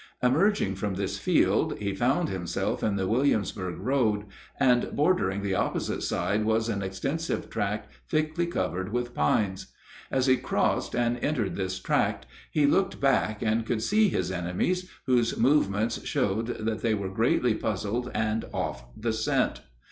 Emerging from this field, he found himself in the Williamsburg road, and bordering the opposite side was an extensive tract thickly covered with pines. As he crossed and entered this tract he looked back and could see his enemies, whose movements showed that they were greatly puzzled and off the scent.